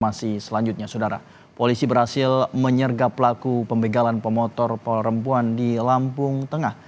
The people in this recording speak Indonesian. masih selanjutnya saudara polisi berhasil menyergap pelaku pembegalan pemotor perempuan di lampung tengah